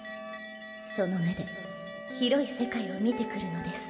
その目で広い世界を見てくるのです。